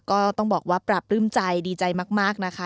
ก็ต้องบอกว่าปรับปลื้มใจดีใจมากนะคะ